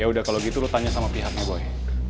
ya udah kalau gitu lo tanya sama pihaknya boy